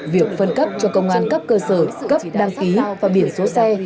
việc phân cấp cho công an cấp cơ sở cấp đăng ký và biển số xe